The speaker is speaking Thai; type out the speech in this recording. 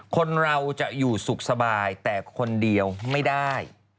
คนเราจะอยู่สุขสบายแต่คนเดียวไม่ได้